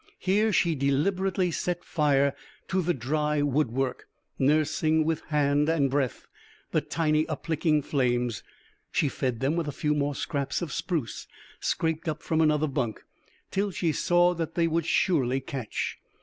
Here she deliberately set fire to the dry woodwork, nursing with hand and breath the tiny uplicking flames. She fed them with a few more scraps of spruce scraped up from another bunk, till she saw that they would surely catch.